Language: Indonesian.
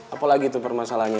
apalagi itu permasalahannya